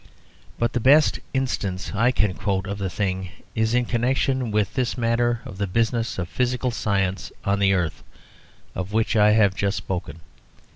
But the best instance I can quote of the thing is in connection with this matter of the business of physical science on the earth, of which I have just spoken.